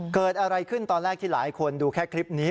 เกิดอะไรขึ้นตอนแรกที่หลายคนดูแค่คลิปนี้